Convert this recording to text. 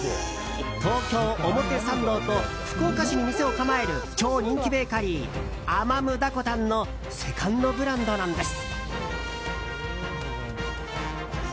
東京・表参道と福岡市に店を構える超人気ベーカリーアマムダコタンのセカンドブランドなんです。